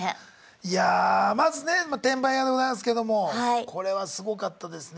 いやまずね「転売ヤー」でございますけどもこれはすごかったですね。